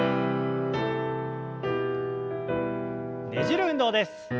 ねじる運動です。